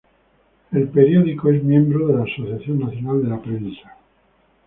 El periódico es miembro de la Asociación Nacional de la Prensa.